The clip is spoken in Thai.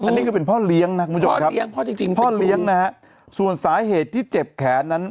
อันนี้ก็เป็นพ่อเลี้ยงนะคุณผู้ชมครับครับพ่อเลี้ยงนะครับส่วนสาเหตุที่เจ็บแขนนั้น